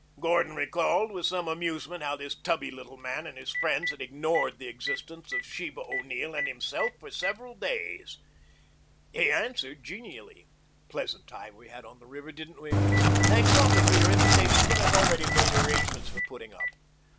Gordon recalled with some amusement how this tubby little man and his friends had ignored the existence of Sheba O'Neill and himself for several days. He answered genially. "Pleasant time we had on the river, didn't we? Thanks awfully for your invitation, but I've already made arrangements for putting up."